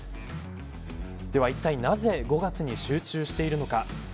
では、いったいなぜ５月に集中しているのか。